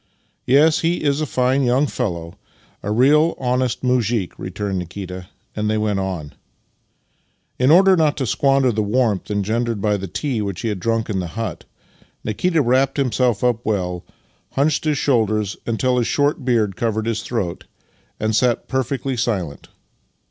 " Yes, he is a fine young fellow, a real honest muzhik," returned Nikita, and they went on. In order not to squander the warmth engendered by the tea which he had drunk in the hut, Nikita wrapped himself up well, hunched his shoulders until his short beard covered his throat, and sat perfectly silent.